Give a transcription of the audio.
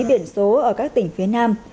biển số ở các tỉnh phía nam